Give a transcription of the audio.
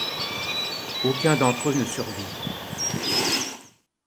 Aucun d’entre eux ne survit.